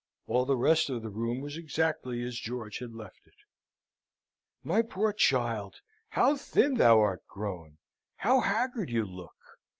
All the rest of the room was exactly as George had left it. "My poor child! How thin thou art grown how haggard you look!